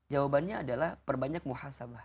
jawabannya adalah perbanyak muhasabah